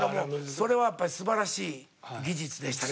それはやっぱり素晴らしい技術でしたね